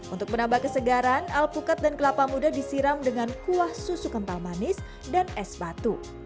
untuk menambah kesegaran alpukat dan kelapa muda disiram dengan kuah susu kental manis dan es batu